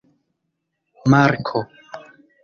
marko